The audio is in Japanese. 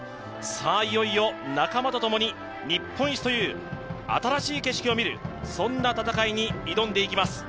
いよいよ仲間とともに日本一という新しい景色を見るそんな戦いに挑んでいきます。